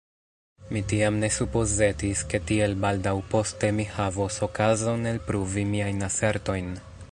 Mi tiam ne supozetis, ke tiel baldaŭ poste mi havos okazon elpruvi miajn asertojn.